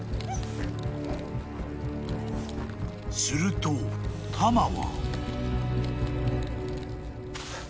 ［するとタマは］